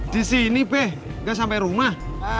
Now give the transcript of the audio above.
disini be gak sampai rumah